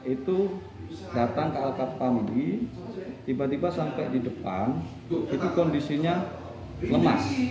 itu datang ke al qadr pahamdi tiba tiba sampai di depan itu kondisinya lemas